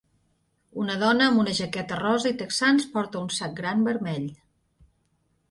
Una dona amb una jaqueta rosa i texans porta un sac gran vermell.